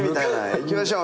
いきましょう！